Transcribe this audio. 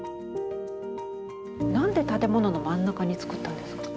なんで建物の真ん中に造ったんですか？